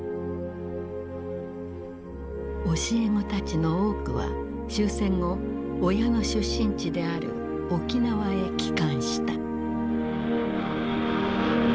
教え子たちの多くは終戦後親の出身地である沖縄へ帰還した。